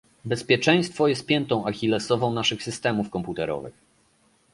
Bezpieczeństwo jest piętą achillesową naszych systemów komputerowych